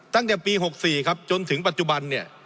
ตั้งแต่ปี๑๙๖๔จนถึงปัจจุบัน